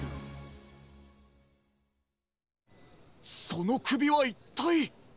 そのくびはいったい。